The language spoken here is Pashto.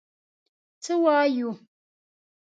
څه وایو.